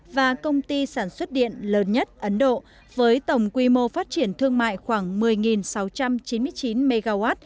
và công ty sản xuất điện lớn nhất ấn độ với tổng quy mô phát triển thương mại khoảng một mươi sáu trăm chín mươi chín mw